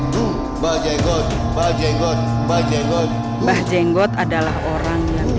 sumpah jatuh bajebot bayi